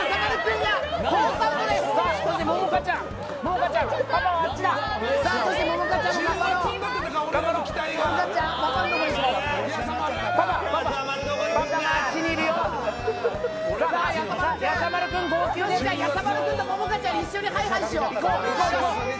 やさまる君とももかちゃん一緒にハイハイしよう！